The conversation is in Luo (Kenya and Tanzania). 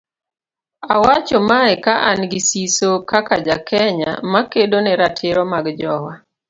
Awacho mae ka an gi siso kaka ja Kenya makedo ne ratiro mag jowa